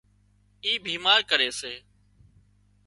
اي بيمار ڪري سي